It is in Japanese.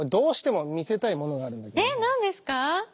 えっ何ですか？